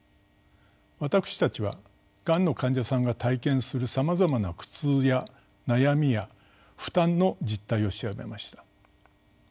私たちはがんの患者さんが体験するさまざまな苦痛や悩みや負担の実態を調べました。